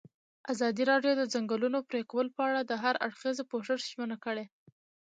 ازادي راډیو د د ځنګلونو پرېکول په اړه د هر اړخیز پوښښ ژمنه کړې.